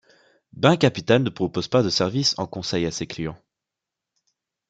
Bain Capital ne propose pas de service en conseil à ses clients.